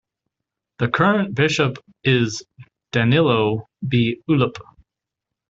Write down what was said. The current bishop is Danilo B Ulep.